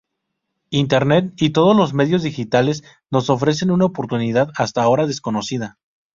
Internet y todos los medios digitales nos ofrecen una oportunidad hasta ahora desconocida.